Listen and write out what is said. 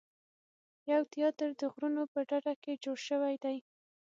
یو تیاتر د غرونو په ډډه کې جوړ شوی دی.